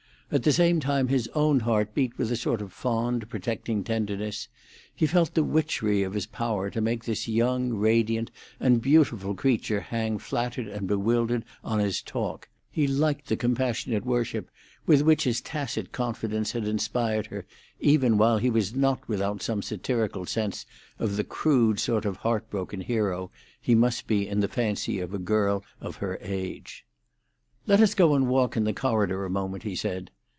At the same time his own heart beat with a sort of fond, protecting tenderness; he felt the witchery of his power to make this young, radiant, and beautiful creature hang flattered and bewildered on his talk; he liked the compassionate worship with which his tacit confidence had inspired her, even while he was not without some satirical sense of the crude sort of heart broken hero he must be in the fancy of a girl of her age. "Let us go and walk in the corridor a moment," he said.